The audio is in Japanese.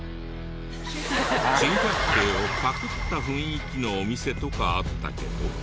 『珍百景』をパクった雰囲気のお店とかあったけど。